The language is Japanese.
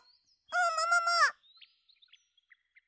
ももももっ！